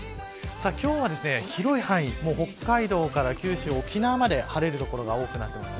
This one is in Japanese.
今日は広い範囲、北海道から九州、沖縄まで晴れる所が多くなっています。